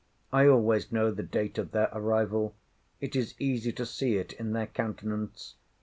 I always know the date of their arrival. It is easy to see it in their countenance.